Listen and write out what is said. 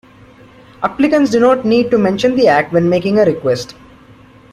Applicants do not need to mention the act when making a request.